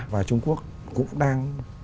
và trung quốc cũng đang